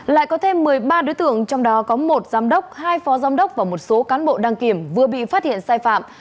lại có thêm một mươi ba đối tượng trong đó có một giám đốc hai phó giám đốc và một số cán bộ đăng kiểm vừa bị phát hiện sai phạm